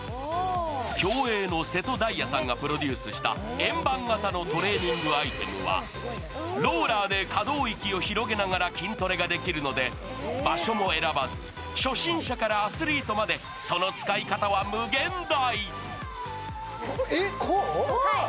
競泳の瀬戸大也さんがプロデュースした円盤型のトレーニングアイテムはローラーで可動域を広げながら筋トレができるので、場所も選ばず、初心者からアスリートまでその使い方は無限大。